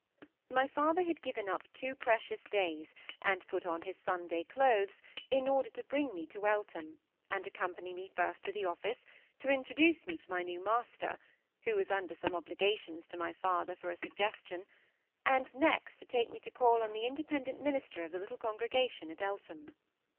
My father had given up two precious days, and put on his Sunday clothes, in order to bring me to Eltham, and accompany me first to the office, to introduce me to my new master (who was under some obligations to my father for a suggestion), and next to take me to call on the Independent minister of the little congregation at Eltham.